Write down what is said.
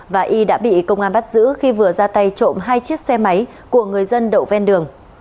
và y đã bị công an bắt giữ khi vừa ra tay trộm hai chiếc xe máy của người dân đậu ven đường